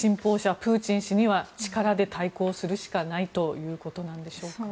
プーチン氏には力で対抗するしかないということなんでしょうか。